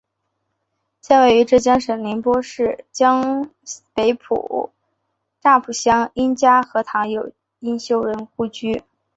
现位于浙江省宁波市江北区乍浦乡应家河塘有应修人故居。